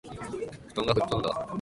布団が吹っ飛んだあ